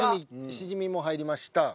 シジミも入りました。